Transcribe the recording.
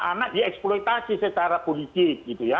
anak dieksploitasi secara politik